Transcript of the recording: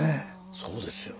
そうですよね。